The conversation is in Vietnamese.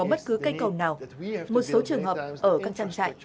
bất cứ cây cầu nào một số trường hợp ở các trang trại